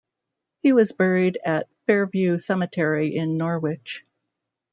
He was buried at Fairview Cemetery in Norwich.